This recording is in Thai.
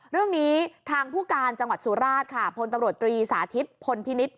เรื่องนี้ทางผู้การจังหวัดสุราชค่ะพลตำรวจตรีสาธิตพลพินิษฐ